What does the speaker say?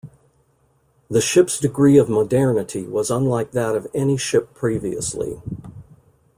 The ship's degree of modernity was unlike that of any ship previously.